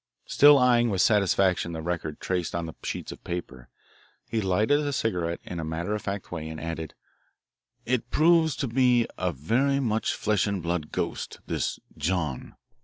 Still eyeing with satisfaction the record traced on the sheets of paper, he lighted a cigarette in a matter of fact way and added: "It proves to be a very much flesh and blood ghost, this 'John.'